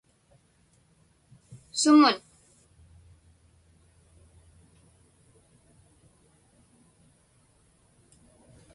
Sumun?